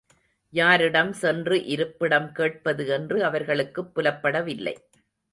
யாரிடம் சென்று இருப்பிடம் கேட்பது என்று அவர்களுக்குப் புலப்படவில்லை.